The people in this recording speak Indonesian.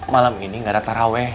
malam ini gak ada taraweh